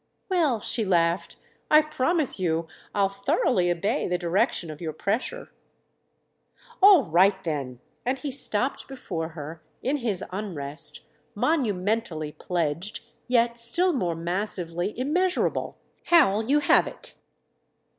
"Well," she laughed, "I promise you I'll thoroughly obey the direction of your pressure." "All right then!" And he stopped before her, in his unrest, monumentally pledged, yet still more massively immeasurable. "How'll you have it?"